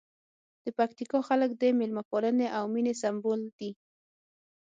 د پکتیکا خلک د مېلمه پالنې او مینې سمبول دي.